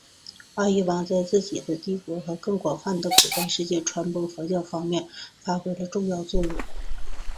阿育王在自己的帝国和更广泛的古代世界传播佛教方面发挥了重要作用。